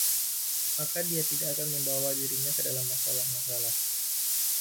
Maka dia tidak akan membawa dirinya ke dalam masalah-masalah.